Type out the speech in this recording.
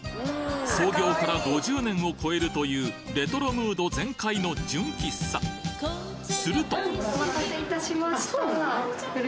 創業から５０年を超えるというレトロムード全開の純喫茶するとお待たせいたしました。